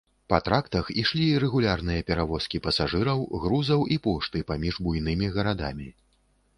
Па трактах ішлі рэгулярныя перавозкі пасажыраў, грузаў і пошты паміж буйнымі гарадамі.